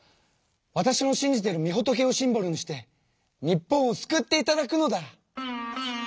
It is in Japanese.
わたしの信じてるみ仏をシンボルにして日本を救っていただくのだ！